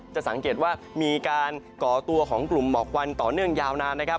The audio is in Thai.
จะสังเกตว่ามีการก่อตัวของกลุ่มหมอกควันต่อเนื่องยาวนานนะครับ